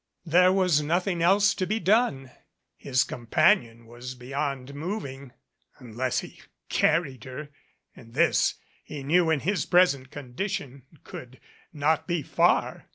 There was nothing else to be done. His companion was beyond moving, unless he carried her, and this he knew in his present condition could not be far.